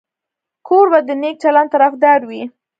کوربه د نیک چلند طرفدار وي.